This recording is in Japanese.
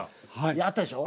あったでしょ。